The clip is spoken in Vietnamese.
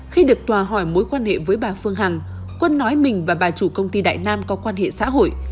khi được tòa hỏi mối quan hệ với bà phương hằng quân nói mình và bà chủ công ty đại nam có quan hệ xã hội